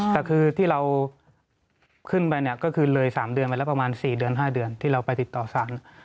แต่คือที่เราขึ้นไปเนี่ยก็คือเลย๓เดือนไปแล้วประมาณ๔เดือน๕เดือนที่เราไปติดต่อสาร